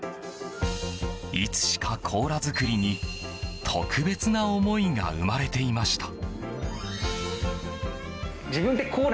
いつしか、コーラ作りに特別な思いが生まれていました。